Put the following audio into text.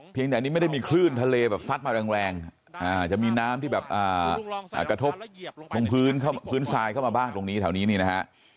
แต่อันนี้ไม่ได้มีคลื่นทะเลแบบซัดมาแรงจะมีน้ำที่แบบกระทบตรงพื้นทรายเข้ามาบ้างตรงนี้แถวนี้นี่นะฮะ